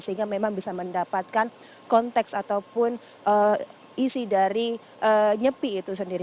sehingga memang bisa mendapatkan konteks ataupun isi dari nyepi itu sendiri